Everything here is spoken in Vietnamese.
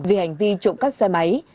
vì hành vi trộm các xe máy